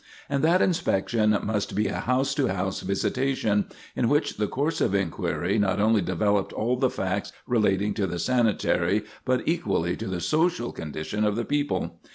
And that inspection must be a house to house visitation, in which the course of inquiry not only developed all the facts relating to the sanitary, but equally to the social condition of the people.